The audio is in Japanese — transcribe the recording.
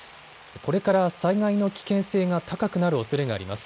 これから災害の危険性が高くなるおそれがあります。